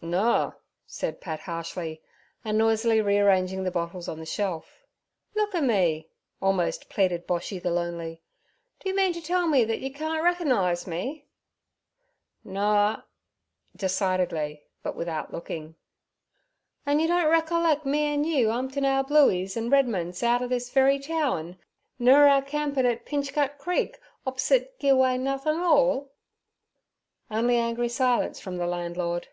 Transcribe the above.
'Noa' said Pat harshly, and noisily rearranging the bottles on the shelf. 'Look at me' almost pleaded Boshy the lonely. 'D'yer mean to tell me that yer carn't reckernise me?' 'Noa' decidedly, but without looking. 'An' yer don't reckerlec' me an' you 'umpin' our Blueys an' Redman's outer this very towen, nur our campin' at Pinchgut Creek, op'osite "Gi' Away Nothin' 'All"?' Only angry silence from the landlord.